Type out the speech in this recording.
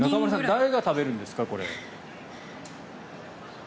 誰が食べるんですかこれ？